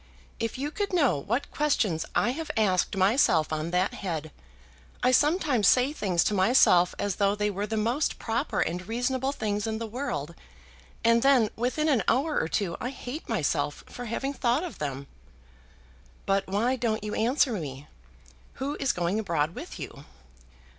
If you could know what questions I have asked myself on that head! I sometimes say things to myself as though they were the most proper and reasonable things in the world, and then within an hour or two I hate myself for having thought of them." "But why don't you answer me? Who is going abroad with you?"